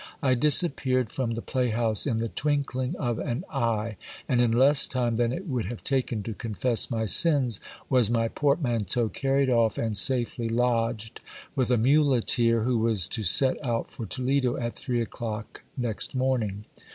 I disappeared from the playhouse in the twinkling of an eye ; and in less time than it would have taken to confess my sins, was my portmanteau carried off and safely lodged with a muleteer who was to set out for Toledo at three o'clock next morn ing.